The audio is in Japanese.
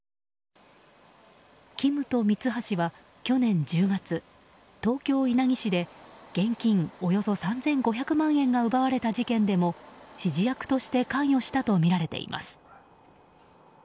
キムとミツハシは去年１０月東京・稲城市で現金およそ３５００万円が奪われた事件でも指示役として関与したとみられています。